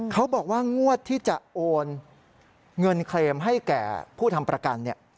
เขาบอกว่างวดที่จะโอนเงินเคลมให้แก่ผู้ทำประกันเนี่ย